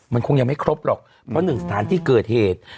มันคงยังไม่ครบหรอกเพราะหนึ่งสถานที่เกิดเหตุ